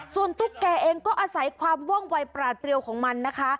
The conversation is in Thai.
ส่วนตุ๊กแก่เองก็อาศัยความว่องวัยปราดเรียวของมันนะคะ